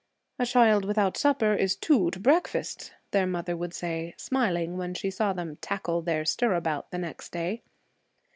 'A child without supper is two to breakfast,' their mother would say, smiling, when she saw them 'tackle' their stirabout the next day.